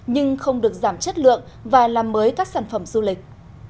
nhưng không được giảm chất lượng và làm mới các sản phẩm du lịch